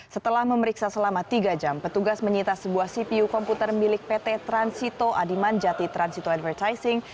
setelah memeriksa selama tiga jam petugas menyita sebuah cpu komputer milik pt transito adiman jati transito advertising